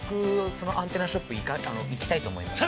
そのアンテナショップ行きたいと思います。